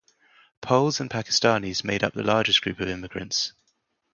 Poles and Pakistanis make up the largest groups of immigrants.